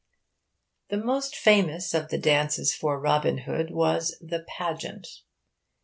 The most famous of the dances for Robin Hood was the 'pageant.'